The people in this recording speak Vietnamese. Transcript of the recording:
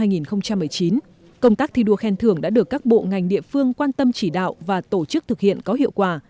năm hai nghìn một mươi chín công tác thi đua khen thưởng đã được các bộ ngành địa phương quan tâm chỉ đạo và tổ chức thực hiện có hiệu quả